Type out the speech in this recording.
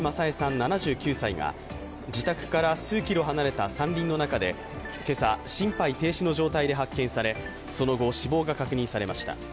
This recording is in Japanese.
７９歳が自宅から数キロ離れた山林の中で今朝、心肺停止の状態で発見され、その後死亡が確認されました。